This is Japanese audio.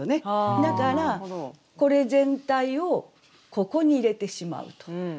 だからこれ全体をここに入れてしまうと。